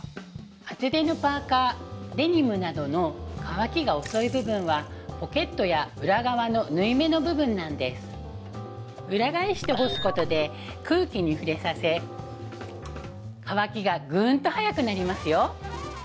厚手のパーカーデニムなどの乾きが遅い部分はポケットや裏側の縫い目の部分なんです裏返して干すことで空気に触れさせ乾きがぐーんと早くなりますよ